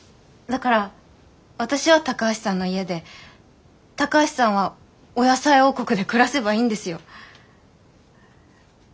だから私は高橋さんの家で高橋さんはお野菜王国で暮らせばいいんですよ。